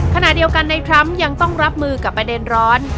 ขณะเดียวกันในทรัมป์ยังต้องรับมือกับประเด็นร้อน